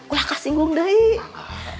udah kasih ngomong dia